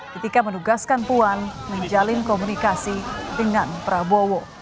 ketika menugaskan puan menjalin komunikasi dengan prabowo